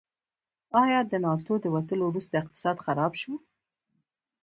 آیا د ناټو د وتلو وروسته اقتصاد خراب شو؟